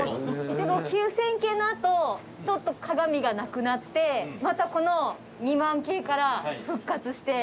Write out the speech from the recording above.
でも９０００系のあとちょっと鏡がなくなってまたこの２００００系から復活して。